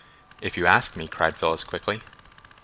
"If you ask me," cried Phyllis quickly.